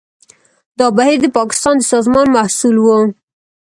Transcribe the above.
دا بهیر د پاکستان د سازمان محصول و.